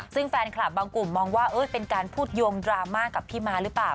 ซึ่งแฟนคลับบางกลุ่มมองว่าเป็นการพูดโยงดราม่ากับพี่ม้าหรือเปล่า